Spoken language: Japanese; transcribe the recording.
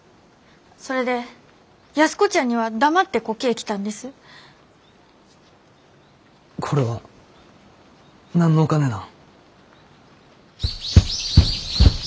それで安子ちゃんには黙ってこけえ来たんです。これは何のお金なん？